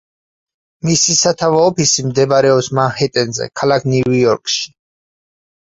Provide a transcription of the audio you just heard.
მისი სათავო ოფისი მდებარეობს მანჰეტენზე, ქალაქ ნიუ-იორკში.